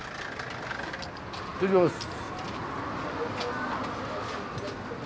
失礼します。